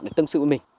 để tâm sự với mình